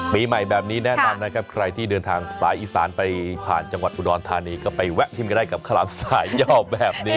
ปีใหม่แบบนี้แนะนำนะครับใครที่เดินทางสายอีสานไปผ่านจังหวัดอุดรธานีก็ไปแวะชิมกันได้กับข้าวหลามสายย่อแบบนี้